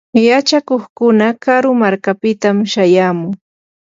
yachakuqkuna karu markapitam shayamun.